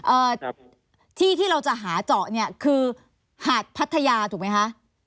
เอ่อที่ที่เราจะหาเจาะเนี่ยคือหาดพัทยาถูกไหมคะ